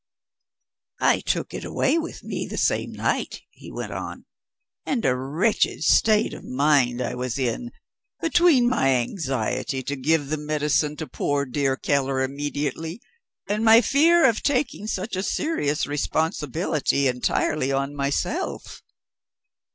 "I took it away with me the same night," he went on. "And a wretched state of mind I was in, between my anxiety to give the medicine to poor dear Keller immediately, and my fear of taking such a serious responsibility entirely on myself.